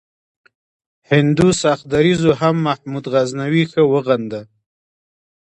هندو سخت دریځو هم محمود غزنوي ښه وغنده.